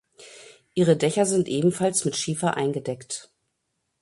Ihre Dächer sind ebenfalls mit Schiefer eingedeckt.